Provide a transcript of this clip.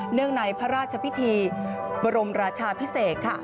ในพระราชพิธีบรมราชาพิเศษค่ะ